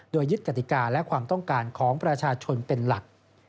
โดยยึดกติกาและความต้องการของประชาชนเป็นหลัก